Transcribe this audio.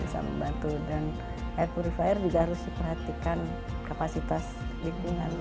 bisa membantu dan air purifier juga harus diperhatikan kapasitas lingkungan